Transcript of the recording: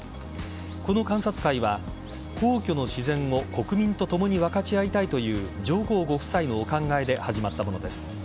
この観察会は皇居の自然を国民とともに分かち合いたいという上皇ご夫妻のお考えで始まったものです。